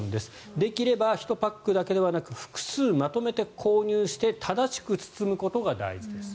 できれば１パックだけではなく複数まとめて購入して正しく包むことが大事ですと。